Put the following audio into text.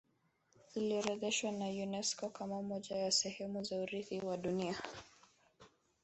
iliorodheshwa na unesco kama moja ya sehemu za urithi wa dunia